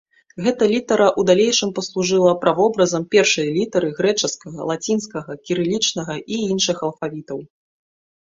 Гэта літара ў далейшым паслужыла правобразам першай літары грэчаскага, лацінскага, кірылічнага і іншых алфавітаў.